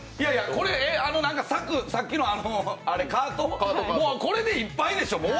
これ、さっきのカート、これでもういっぱいでしょ？